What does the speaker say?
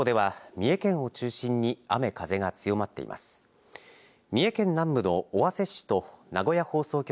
三重県南部の尾鷲市と名古屋放送局